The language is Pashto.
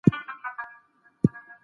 مینه ولي یوازې اړتیا ده؟